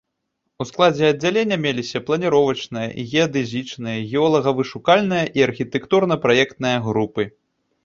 У складзе аддзялення меліся планіровачная, геадэзічная, геолага-вышукальная і архітэктурна-праектная групы.